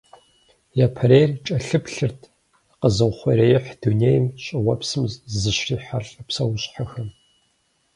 Япэрейр кӀэлъыплъырт къэзыухъуреихь дунейм, щӀыуэпсым зыщрихьэлӀэ псэущхьэхэм.